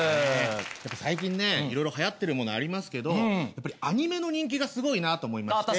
やっぱり最近ねいろいろ流行ってるものありますけどアニメの人気がすごいなと思いまして。